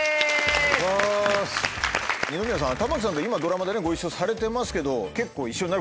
二宮さん玉木さんと今ドラマでご一緒されてますけど結構。